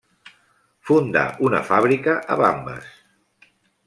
Fundà una fàbrica a Vanves.